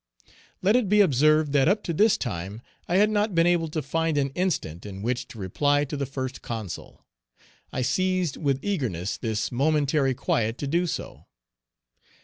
Let it be observed that up to this time I had not been able to find an instant in which to reply to the First Consul. I seized with eagerness this momentary quiet to do so.